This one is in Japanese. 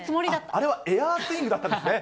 あれはエアースイングだったんですね。